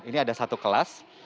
ini ada satu kelas